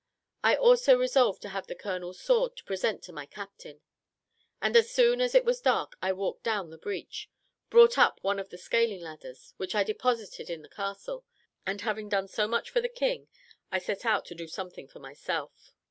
I also resolved to have the colonel's sword to present to my captain; and as soon as it was dark I walked down the breach, brought up one of the scaling ladders, which I deposited in the castle; and having done so much for the king, I set out to do something for myself.